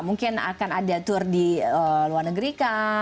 mungkin akan ada tur di luar negeri kah